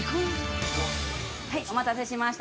◆お待たせしました。